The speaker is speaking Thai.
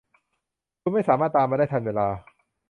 คุณไม่สามารถตามมาได้ทันเวลา